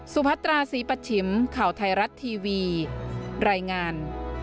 พัตราศรีปัชชิมข่าวไทยรัฐทีวีรายงาน